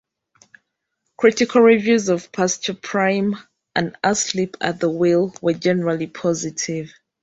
Critical reviews of "Pasture Prime" and "Asleep at the Wheel" were generally positive.